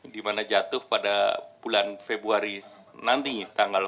dimana jatuh pada bulan februari nanti tanggal empat belas